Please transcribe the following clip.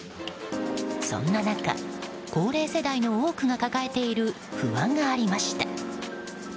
そんな中、高齢世代の多くが抱えている不安がありました。